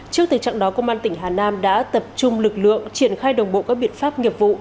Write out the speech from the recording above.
trước tình trạng đó công an tỉnh hà nam đã tập trung lực lượng triển khai đồng bộ các biện pháp nghiệp vụ